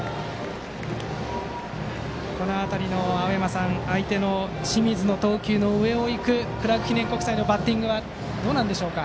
この辺りの相手の清水の投球の上を行くクラーク記念国際のバッティングどうなんでしょうか。